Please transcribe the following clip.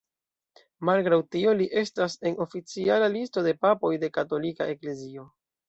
Malgraŭ tio, li estas en oficiala listo de papoj de katolika eklezio.